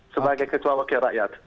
sebagai ketua wakil rakyat